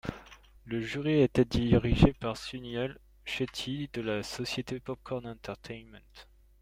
Le jury était dirigé par Suniel Shetty de la société Popcorn Entertainment.